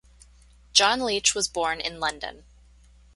John Leech was born in London.